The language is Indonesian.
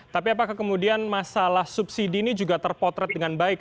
tapi apakah kemudian masalah subsidi ini juga terpotret dengan baik